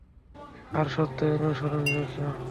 আর সত্যই অনুসরণযোগ্য।